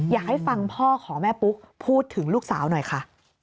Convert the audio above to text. อยากให้ฟังพ่อของแม่ปุ๊กพูดถึงลูกสาวหน่อยค่ะ